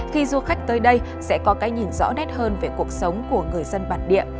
khi du khách tới đây sẽ có cái nhìn rõ nét hơn về cuộc sống của người dân bản địa